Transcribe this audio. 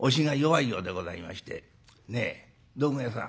「ねえ道具屋さん」。